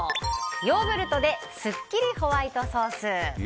ヨーグルトですっきりホワイトソース。